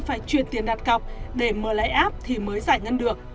phải chuyển tiền đặt cọc để mở lại app thì mới giải ngân được